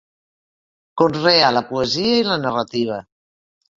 Conrea la poesia i la narrativa.